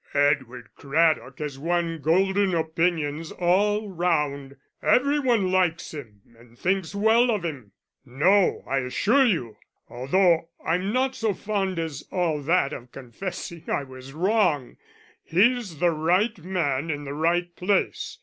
"Edward Craddock has won golden opinions all round. Every one likes him, and thinks well of him. No, I assure you, although I'm not so fond as all that of confessing I was wrong, he's the right man in the right place.